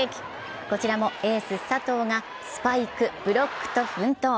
こちらもエース・佐藤がスパイク、ブロックと奮闘。